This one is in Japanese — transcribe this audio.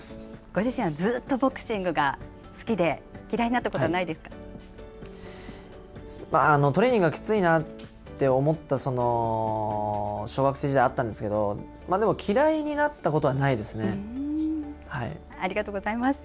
ご自身は、ずっとボクシングが好きで、嫌いになったことはなトレーニングはきついなって思った小学生時代あったんですけど、でも、嫌いになったことはなありがとうございます。